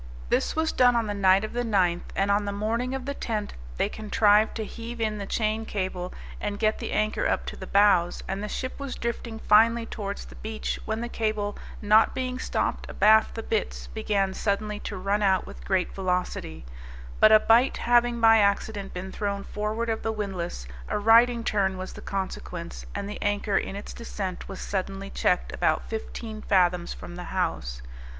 This was done on the night of the 9th, and on the morning of the 10th, they contrived to heave in the chain cable, and get the anchor up to the bows; and the ship was drifting finely towards the beach, when the cable, not being stopped abaft the bitts, began suddenly to run out with great velocity; but a bight having by accident been thrown forward of the windlass, a riding turn was the consequence, and the anchor, in its descent, was suddenly checked about fifteen fathoms from the hawse.